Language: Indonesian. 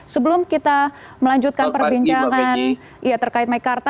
sebelum kita melanjutkan perbincangan terkait mekarta